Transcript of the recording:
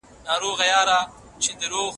ته باید د نویو معلوماتو د ترلاسه کولو هڅه وکړې.